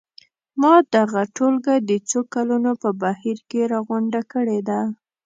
ما دغه ټولګه د څو کلونو په بهیر کې راغونډه کړې ده.